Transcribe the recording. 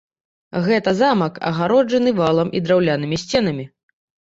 Гэта замак, агароджаны валам і драўлянымі сценамі.